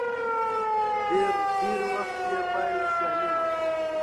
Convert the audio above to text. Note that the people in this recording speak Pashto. ډېری وخت يې پايله سیالي وي.